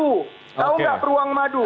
tahu gak peruang madu